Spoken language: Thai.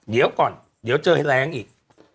เดี๋ยวก่อนเดี๋ยวเจอให้แรงอีก